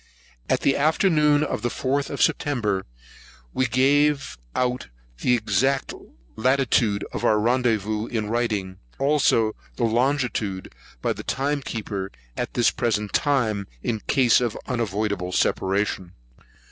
On the afternoon of the 4th of September, gave out the exact latitude of our rendezvous in writing; also the longitude by the time keeper at this present time, in case of unavoidable separation.